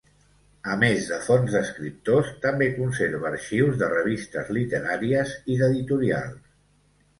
A més de fons d'escriptors, també conserva arxius de revistes literàries i d'editorials.